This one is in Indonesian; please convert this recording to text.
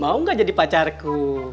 mau gak jadi pacarku